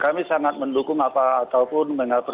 kami sangat mendukung apa ataupun mengapainya pak